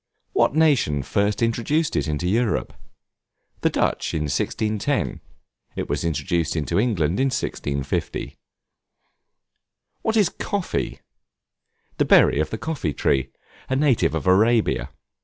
What nation first introduced it into Europe? The Dutch in 1610; it was introduced into England in 1650 What is Coffee? The berry of the coffee tree, a native of Arabia.